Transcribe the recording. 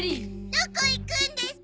どこ行くんですか？